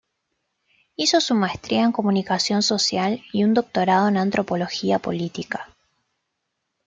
Hizo su maestría en comunicación social y un doctorado en antropología política.